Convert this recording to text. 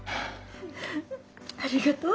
ありがとう。